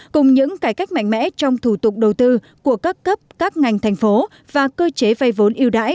cùng những cải cách mạnh mẽ trong thủ tục đầu tư của các cấp các ngành thành phố và cơ chế vay vốn yêu đãi